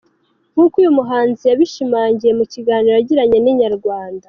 Nk’uko uyu muhanzi yabishimangiye mu kiganiro yagiranye na Inyarwanda.